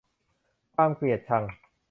ความเกลียดชัง